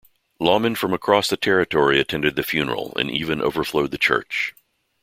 Lawman from across the territory attended the funeral and even overflowed the church.